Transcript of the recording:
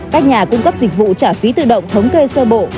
các nhà cung cấp dịch vụ trả phí tự động thống kê sơ bộ